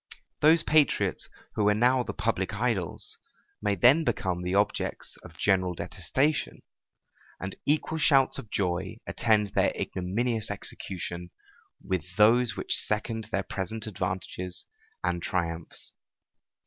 Those patriots who are now the public idols, may then become the objects of general detestation; and equal shouts of joy attend their ignominious execution, with those which second their present advantages and triumphs.